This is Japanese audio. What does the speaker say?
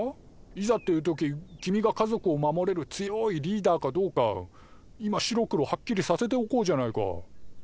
いざっていう時君が家族を守れる強いリーダーかどうか今白黒はっきりさせておこうじゃないか。